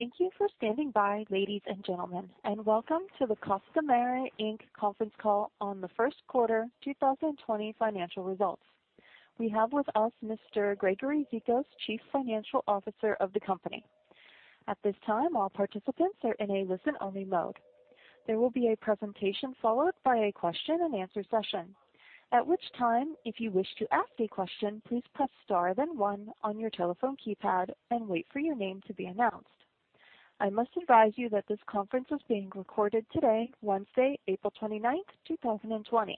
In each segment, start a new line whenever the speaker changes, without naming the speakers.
Thank you for standing by, ladies and gentlemen, and welcome to the Costamare Inc. conference call on the first quarter 2020 financial results. We have with us Mr. Gregory Zikos, Chief Financial Officer of the company. At this time, all participants are in a listen-only mode. There will be a presentation followed by a question and answer session. At which time, if you wish to ask a question, please press star then one on your telephone keypad and wait for your name to be announced. I must advise you that this conference is being recorded today, Wednesday, April 29th, 2020.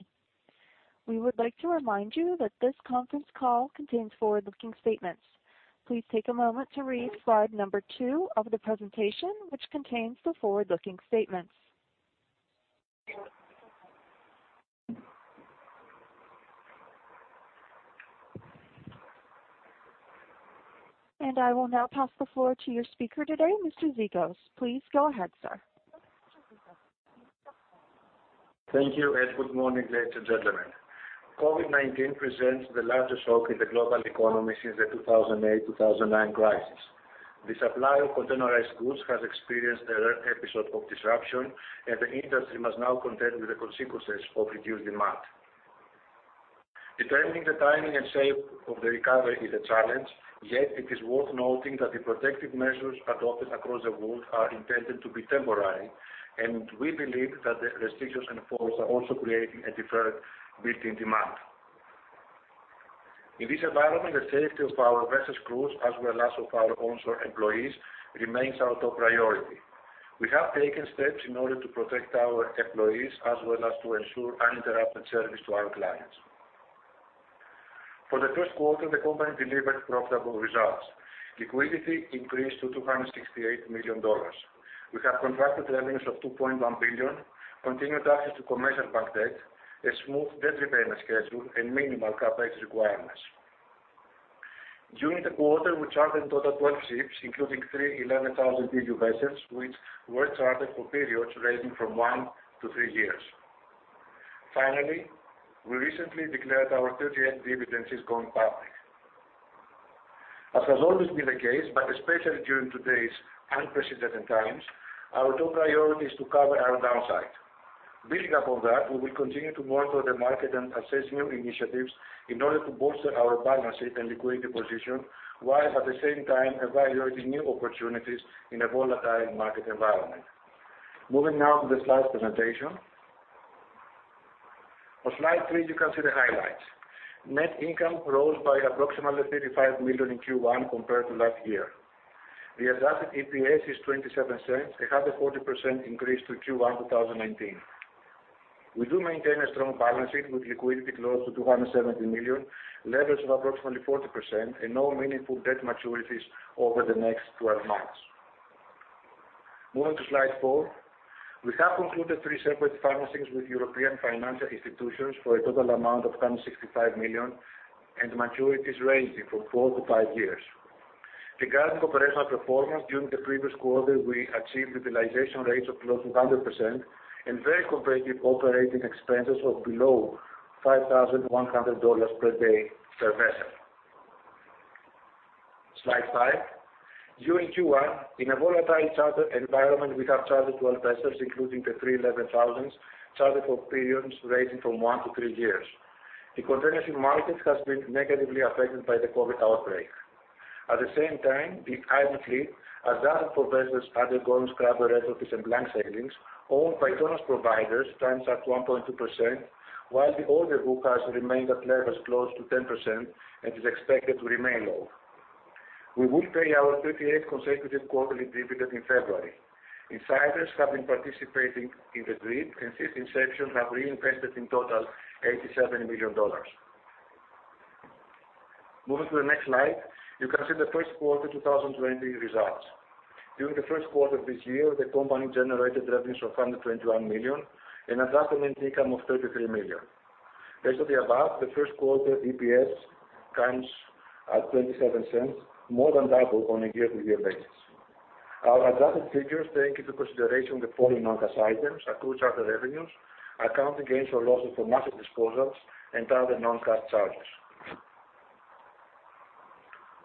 We would like to remind you that this conference call contains forward-looking statements. Please take a moment to read slide number two of the presentation, which contains the forward-looking statements. I will now pass the floor to your speaker today, Mr. Zikos. Please go ahead, sir.
Thank you. Good morning, ladies and gentlemen. COVID-19 presents the largest shock in the global economy since the 2008, 2009 crisis. The supply of containerized goods has experienced a rare episode of disruption, and the industry must now contend with the consequences of reduced demand. Determining the timing and shape of the recovery is a challenge, yet it is worth noting that the protective measures adopted across the world are intended to be temporary, and we believe that the restrictions enforced are also creating a deferred built-in demand. In this environment, the safety of our vessel crews, as well as of our onshore employees, remains our top priority. We have taken steps in order to protect our employees as well as to ensure uninterrupted service to our clients. For the first quarter, the company delivered profitable results. Liquidity increased to $268 million. We have contracted revenues of $2.1 billion, continued access to commercial bank debt, a smooth debt repayment schedule, and minimal CapEx requirements. During the quarter, we chartered a total of 12 ships, including three 11,000 TEU vessels, which were chartered for periods ranging from one to three years. Finally, we recently declared our 38th dividend since going public. As has always been the case, but especially during today's unprecedented times, our top priority is to cover our downside. Building upon that, we will continue to monitor the market and assess new initiatives in order to bolster our balance sheet and liquidity position, while at the same time evaluating new opportunities in a volatile market environment. Moving now to the slides presentation. On slide three, you can see the highlights. Net income rose by approximately $35 million in Q1 compared to last year. The adjusted EPS is $0.27, a 140% increase to Q1 2019. We do maintain a strong balance sheet with liquidity close to $270 million, leverage of approximately 40%, and no meaningful debt maturities over the next 12 months. Moving to slide four, we have concluded three separate financings with European financial institutions for a total amount of $165 million, and maturities ranging from four to five years. Regarding operational performance, during the previous quarter, we achieved utilization rates of close to 100% and very competitive operating expenses of below $5,100 per day per vessel. Slide five, during Q1, in a volatile charter environment, we have chartered 12 vessels, including the three 11,000s chartered for periods ranging from one to three years. The containership market has been negatively affected by the COVID outbreak. At the same time, the idle fleet, as does for vessels undergoing scrubber retrofit and blank sailings, owned by tonnage providers stands at 1.2%, while the order book has remained at levels close to 10% and is expected to remain low. We will pay our 38th consecutive quarterly dividend in February. Insiders have been participating in the DRIP, and since inception have reinvested in total $87 million. Moving to the next slide, you can see the first quarter 2020 results. During the first quarter of this year, the company generated revenues of $121 million and adjusted net income of $33 million. As of the above, the first quarter EPS comes at $0.27, more than double on a year-over-year basis. Our adjusted figures take into consideration the following non-cash items: accrued charter revenues, accounting gains or losses from asset disposals, and other non-cash charges.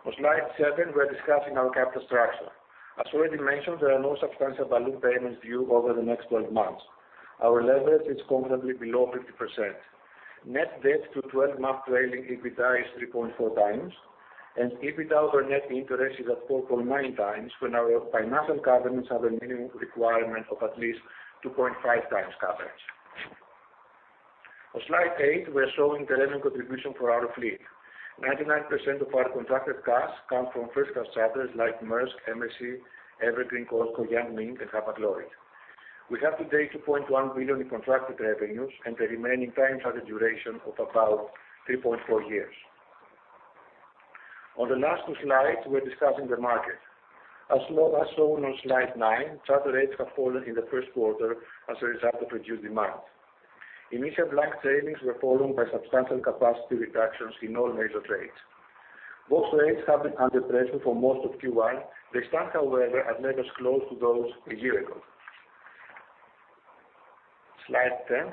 On slide seven, we are discussing our capital structure. As already mentioned, there are no substantial balloon payments due over the next 12 months. Our leverage is comfortably below 50%. Net debt to 12-month trailing EBITDA is 3.4x, and EBITDA over net interest is at 4.9x when our financial covenants have a minimum requirement of at least 2.5x coverage. On slide eight, we are showing the revenue contribution for our fleet. 99% of our contracted charters come from first-class charters like Maersk, MSC, Evergreen, COSCO, Yang Ming, and Hapag-Lloyd. We have today $2.1 billion in contracted revenues, and the remaining time has a duration of about 3.4 years. On the last two slides, we are discussing the market. As shown on slide nine, charter rates have fallen in the first quarter as a result of reduced demand. Initial blank sailings were followed by substantial capacity reductions in all major trades. Box rates have been under pressure for most of Q1. They stand, however, at levels close to those a year ago. Slide 10,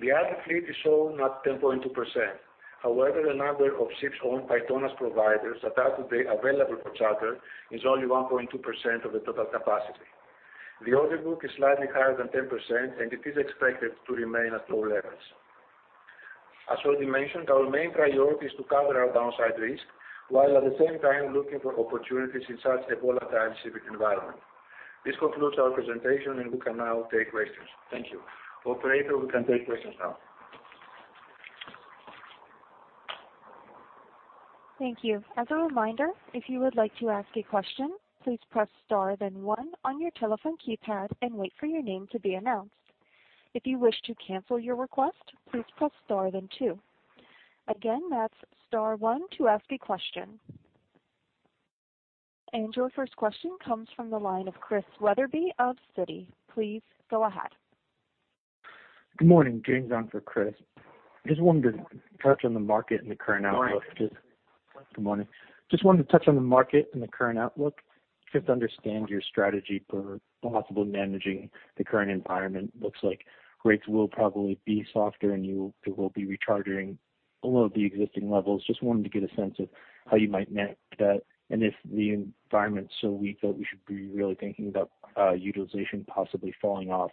the active fleet is shown at 10.2%. However, the number of ships owned by tonnage providers that are today available for charter is only 1.2% of the total capacity. The order book is slightly higher than 10%, and it is expected to remain at low levels. As already mentioned, our main priority is to cover our downside risk, while at the same time looking for opportunities in such a volatile shipping environment. This concludes our presentation, and we can now take questions. Thank you. Operator, we can take questions now.
Thank you. As a reminder, if you would like to ask a question, please press star then one on your telephone keypad and wait for your name to be announced. If you wish to cancel your request, please press star then two. Again, that's star one to ask a question. Your first question comes from the line of Chris Wetherbee of Citi. Please go ahead.
Good morning. James on for Chris. I just wanted to touch on the market and the current outlook.
Good morning.
Good morning. I just wanted to touch on the market and the current outlook, just to understand your strategy for possibly managing the current environment. It looks like rates will probably be softer and you will be re-chartering below the existing levels. I just wanted to get a sense of how you might manage that, and if the environment's so weak that we should be really thinking about utilization possibly falling off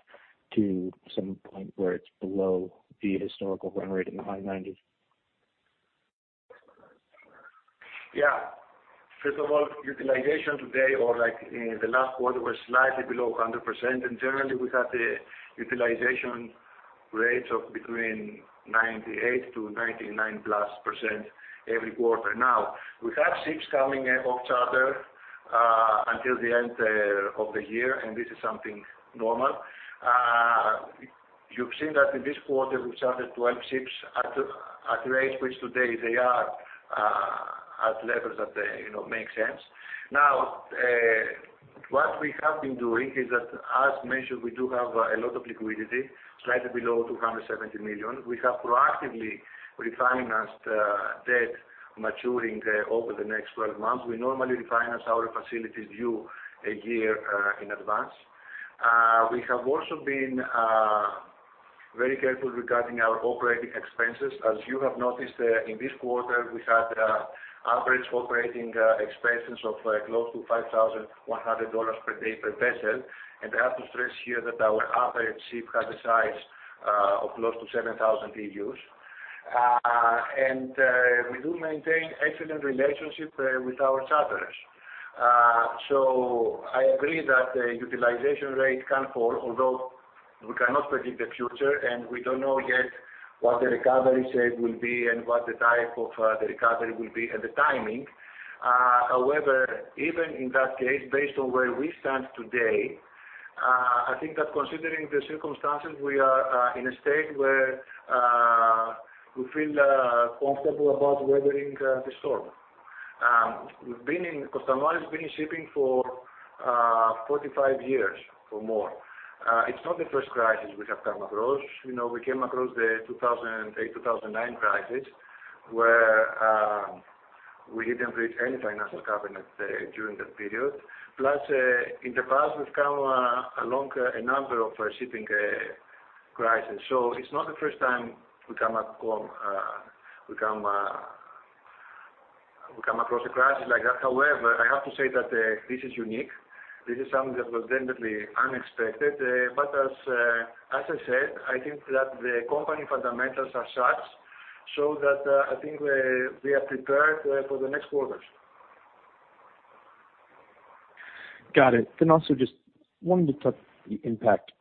to some point where it's below the historical run rate in the high 90s.
Yeah. First of all, utilization today or in the last quarter was slightly below 100%. Generally, we have the utilization rates of between 98% to 99+% every quarter. Now, we have ships coming off charter until the end of the year, and this is something normal. You've seen that in this quarter, we chartered 12 ships at rates which today they are at levels that, you know, make sense. Now, what we have been doing is that, as mentioned, we do have a lot of liquidity, slightly below $270 million. We have proactively refinanced debt maturing over the next 12 months. We normally refinance our facilities due a year in advance. We have also been very careful regarding our operating expenses. As you have noticed, in this quarter, we had average operating expenses of close to $5,100 per day per vessel. I have to stress here that our average ship has a size of close to 7,000 TEUs. We do maintain excellent relationships with our charterers. I agree that the utilization rate can fall, although we cannot predict the future, and we don't know yet what the recovery shape will be and what the type of the recovery will be, and the timing. However, even in that case, based on where we stand today, I think that considering the circumstances, we are in a state where we feel comfortable about weathering the storm. Costamare has been in shipping for 45 years or more. It's not the first crisis we have come across. We came across the 2008, 2009 crisis, where we didn't raise any financial capital during that period. Plus, in the past, we've come along a number of shipping crisis. It's not the first time we come across a crisis like that. However, I have to say that this is unique. This is something that was definitely unexpected. As I said, I think that the company fundamentals are such, so that I think we are prepared for the next quarters.
Got it and also just wanted to touch the impact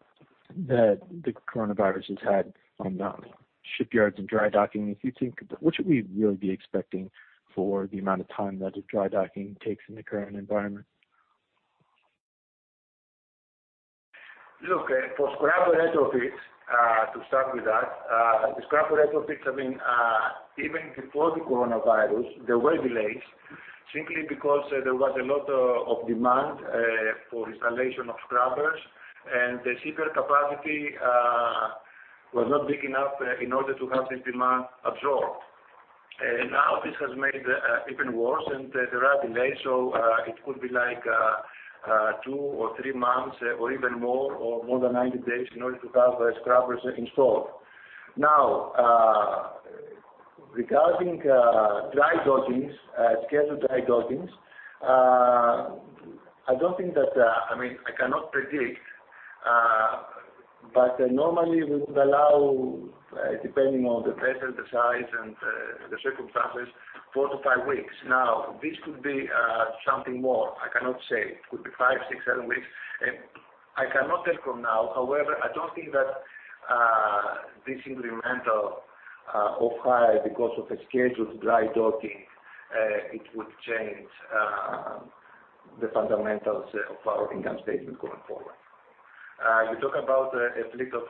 that the coronavirus has had on the shipyards and dry docking. What should we really be expecting for the amount of time that the dry docking takes in the current environment?
Look, for scrubber retrofits, to start with that, the scrubber retrofits have been, even before the coronavirus, there were delays simply because there was a lot of demand for installation of scrubbers and the shipyard capacity was not big enough in order to have this demand absorbed. This has made it even worse, and there are delays, so it could be two or three months or even more or more than 90 days in order to have scrubbers installed. Now, regarding scheduled dry dockings, I cannot predict, but normally we would allow, depending on the vessel, the size, and the circumstances, four to five weeks. Now, this could be something more. I cannot say. It could be five, six, seven weeks. I cannot tell for now. However, I don't think that this incremental off-hire because of a scheduled dry docking, it would change the fundamentals of our income statement going forward. You talk about a fleet of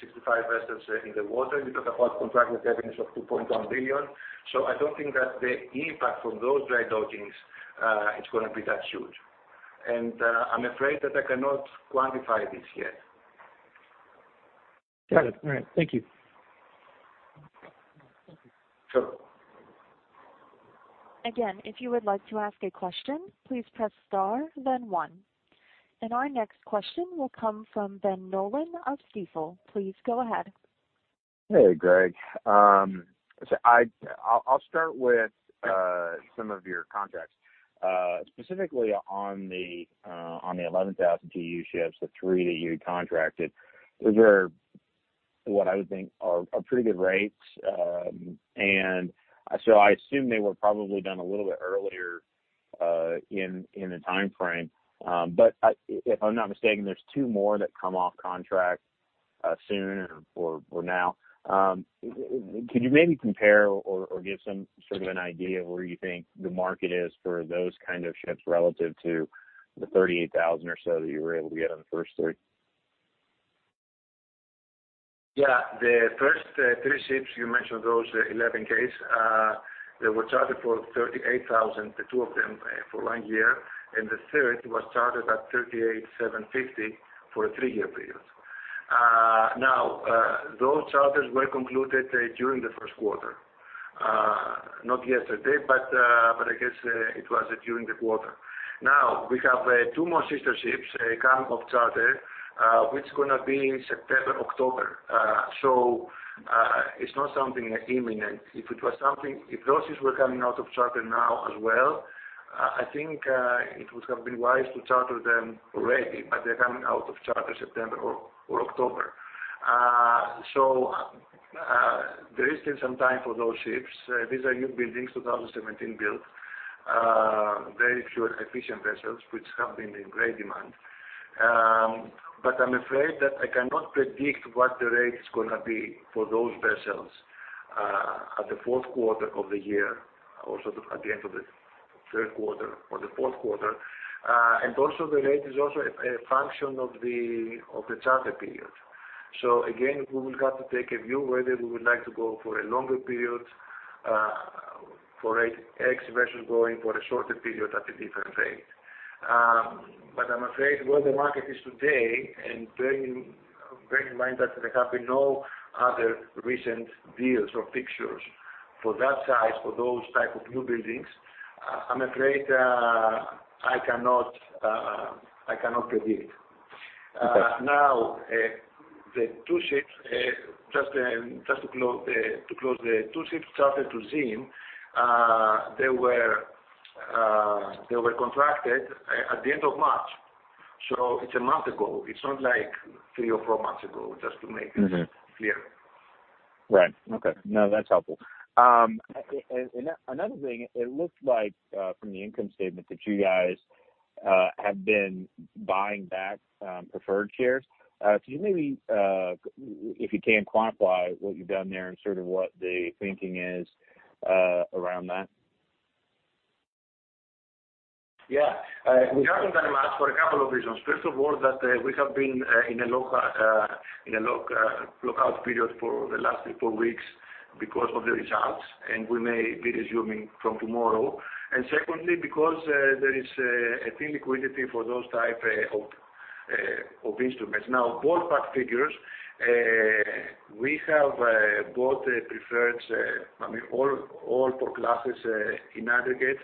65 vessels in the water. You talk about contracted revenues of $2.1 billion. I don't think that the impact from those dry dockings is going to be that huge and I'm afraid that I cannot quantify this yet.
Got it. All right. Thank you.
Sure.
Again, if you would like to ask a question, please press star then one. Our next question will come from Ben Nolan of Stifel. Please go ahead.
Hey, Greg. I'll start with some of your contracts, specifically on the 11,000 TEU ships, the three that you contracted. Those are what I would think are pretty good rates. I assume they were probably done a little bit earlier in the timeframe. If I'm not mistaken, there's two more that come off contract soon or now. Could you maybe compare or give some sort of an idea of where you think the market is for those kind of ships relative to the 38,000 or so that you were able to get on the first three?
The first three ships, you mentioned those 11ks, they were chartered for $38,000, the two of them for one year. The third was chartered at $38,750 for a three-year period. Now, those charters were concluded during the first quarter. Not yesterday, I guess it was during the quarter. Now, we have two more sister ships, they come off charter, which is going to be in September, October. It's not something imminent. If those ships were coming out of charter now as well, I think it would have been wise to charter them already. They're coming out of charter September or October. There is still some time for those ships. These are newbuildings, 2017 build, very fuel-efficient vessels which have been in great demand. I'm afraid that I cannot predict what the rate is going to be for those vessels at the fourth quarter of the year, or at the end of the third quarter or the fourth quarter. Also, the rate is also a function of the charter period. Again, we will have to take a view whether we would like to go for a longer period for X vessels going for a shorter period at a different rate. I'm afraid where the market is today, and bearing in mind that there have been no other recent deals or fixtures for that size, for those type of newbuildings, I'm afraid I cannot predict.
Okay.
Now, the two ships chartered to ZIM, they were contracted at the end of March, so it's a month ago. It's not like three or four months ago, just to make this clear.
Right. Okay. No, that's helpful. Another thing, it looks like from the income statement that you guys have been buying back preferred shares. Could you maybe, if you can, quantify what you've done there and sort of what the thinking is around that?
Yeah. We haven't done much for a couple of reasons. First of all, that we have been in a lockout period for the last three, four weeks because of the results, and we may be resuming from tomorrow. Secondly, because there is a thin liquidity for those type of instruments. Now, ballpark figures, we have bought preferreds, I mean, all four classes in aggregate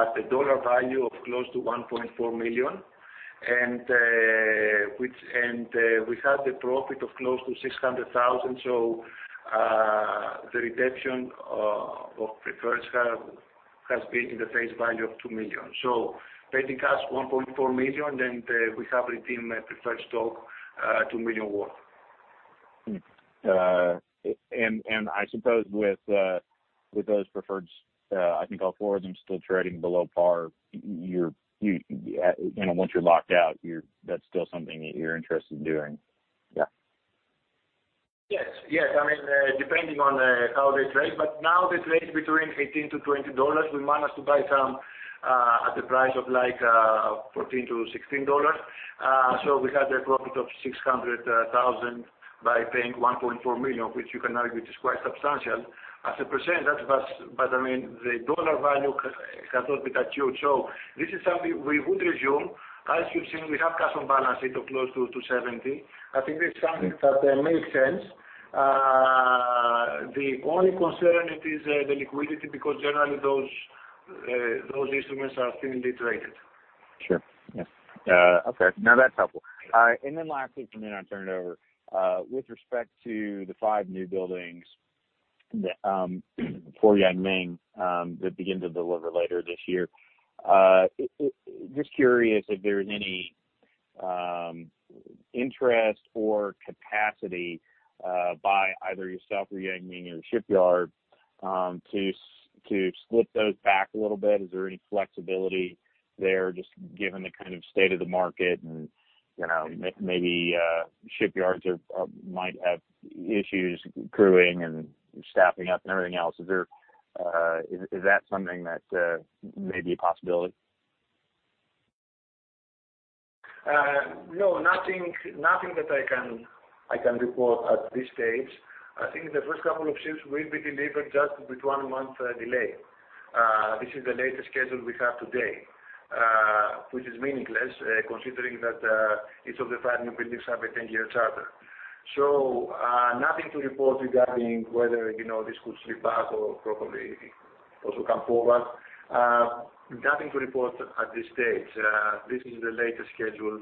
at a dollar value of close to $1.4 million. We had a profit of close to $600,000, so the redemption of preferreds has been in the face value of $2 million, so paid in cash $1.4 million, then we have redeemed preferred stock, $2 million worth.
I suppose with those preferreds, I think all four of them still trading below par, once you're locked out, that's still something that you're interested in doing. Yeah.
Yes. I mean, depending on how they trade, now they trade between $18 to $20. We managed to buy some at the price of $14 to $16. We had a profit of $600,000 by paying $1.4 million, which you can argue is quite substantial. As a percent, I mean, the dollar value cannot be that huge. This is something we would resume. As you've seen, we have cash on balance sheet of close to $70. I think it's something that makes sense. The only concern is the liquidity because generally those instruments are thinly traded.
Sure. Yeah. Okay. No, that's helpful. All right. Lastly, from then I'll turn it over. With respect to the five newbuildings for Yang Ming that begin to deliver later this year, I'm just curious if there's any interest or capacity by either yourself or Yang Ming or the shipyard to slip those back a little bit. Is there any flexibility there just given the kind of state of the market and maybe shipyards might have issues crewing and staffing up and everything else. Is that something that may be a possibility?
No, nothing that I can report at this stage. I think the first couple of ships will be delivered just with one month delay. This is the latest schedule we have today which is meaningless considering that each of the five newbuildings have a 10-year charter. Nothing to report regarding whether this could slip out or probably also come forward. Nothing to report at this stage. This is the latest schedule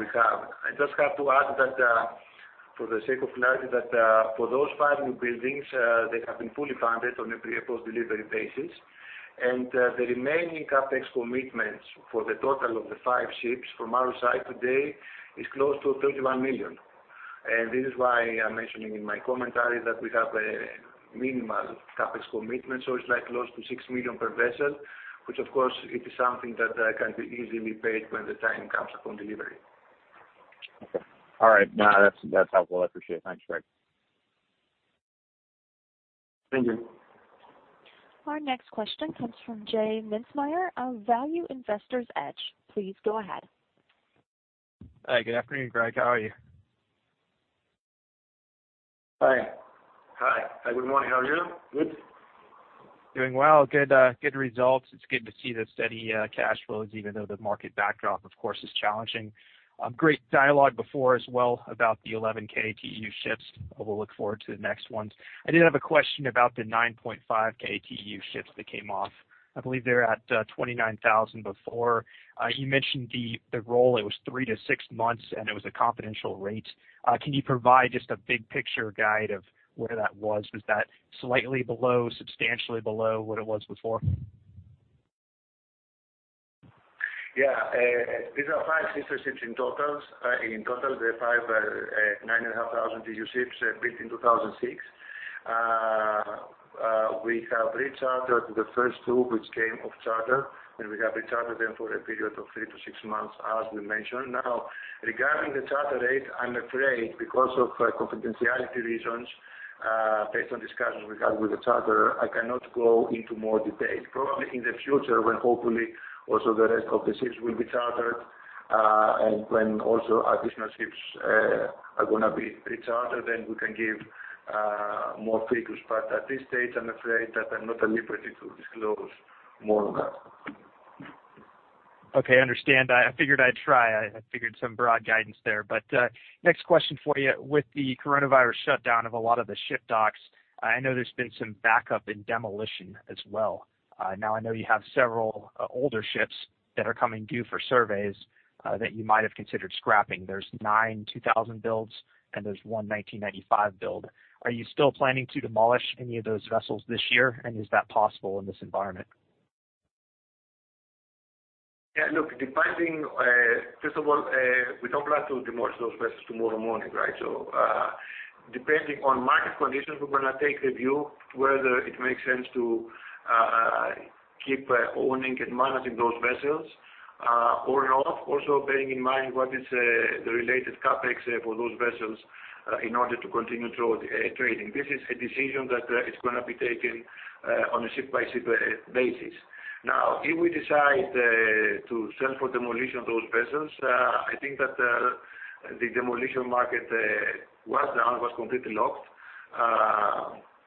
we have. I just have to add that for the sake of clarity, that for those five newbuildings, they have been fully funded on a pre- and post-delivery basis, and the remaining CapEx commitments for the total of the five ships from our side today is close to $31 million. This is why I'm mentioning in my commentary that we have a minimal CapEx commitment. It's like close to $6 million per vessel, which of course it is something that can be easily paid when the time comes upon delivery.
Okay. All right. No, that's helpful. I appreciate it. Thanks, Greg.
Thank you.
Our next question comes from J Mintzmyer of Value Investor's Edge. Please go ahead.
Hi, good afternoon, Greg. How are you?
Hi. Good morning. How are you? Good?
Doing well. Good results. It is good to see the steady cash flows, even though the market backdrop, of course, is challenging. Great dialogue before as well about the 11k TEU ships. We will look forward to the next ones. I did have a question about the 9.5k TEU ships that came off. I believe they were at 29,000 before. You mentioned the roll, it was three to six months, and it was a confidential rate. Can you provide just a big picture guide of where that was? Was that slightly below, substantially below what it was before?
Yeah. These are five sister ships in total. In total, they are five 9,500 TEU ships built in 2006. We have re-chartered the first two which came off charter, we have re-chartered them for a period of three to six months, as we mentioned. Now regarding the charter rate, I'm afraid because of confidentiality reasons based on discussions we have with the charterer, I cannot go into more detail. Probably in the future when hopefully also the rest of the ships will be chartered, and when also our Christmas ships are going to be re-chartered, then we can give more figures. At this stage, I'm afraid that I'm not at liberty to disclose more on that.
Okay, I understand. I figured I'd try. I figured some broad guidance there. Next question for you. With the coronavirus shutdown of a lot of the ship docks, I know there's been some backup in demolition as well. I know you have several older ships that are coming due for surveys that you might have considered scrapping. There's nine 2000 builds and there's one 1995 build. Are you still planning to demolish any of those vessels this year? Is that possible in this environment?
Yeah, look, first of all, we don't plan to demolish those vessels tomorrow morning, right? Depending on market conditions, we're going to take the view whether it makes sense to keep owning and managing those vessels or not. Also, bearing in mind what is the related CapEx for those vessels in order to continue trading. This is a decision that is going to be taken on a ship-by-ship basis. Now, if we decide to send for demolition of those vessels, I think that the demolition market was down, was completely locked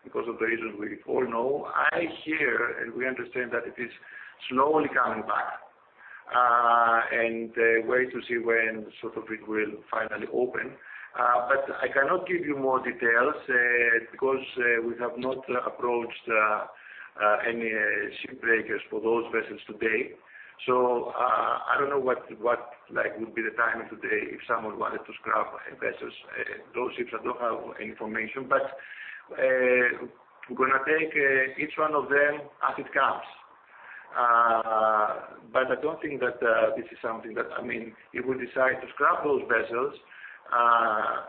because of the reasons we all know. I hear, and we understand that it is slowly coming back, and wait to see when it will finally open. I cannot give you more details because we have not approached any ship breakers for those vessels to date. I don't know what would be the timing today if someone wanted to scrap those ships. I don't have information, but we're going to take each one of them as it comes. I don't think that this is something that, if we decide to scrap those vessels,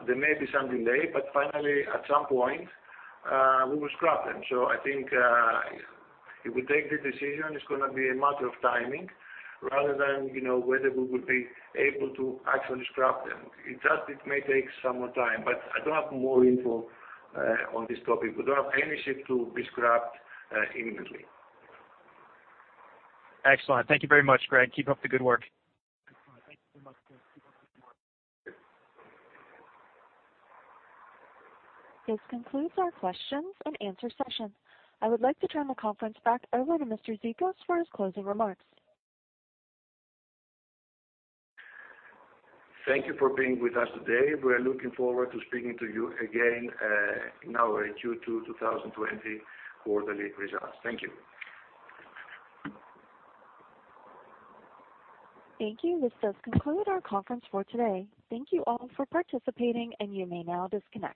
there may be some delay, but finally, at some point, we will scrap them. I think if we take the decision, it's going to be a matter of timing rather than whether we would be able to actually scrap them. It's just it may take some more time, but I don't have more info on this topic. We don't have any ship to be scrapped imminently.
Excellent. Thank you very much, Greg. Keep up the good work.
This concludes our question and answer session. I would like to turn the conference back over to Mr. Zikos for his closing remarks.
Thank you for being with us today. We are looking forward to speaking to you again in our Q2 2020 quarterly results. Thank you.
Thank you. This does conclude our conference for today. Thank you all for participating and you may now disconnect.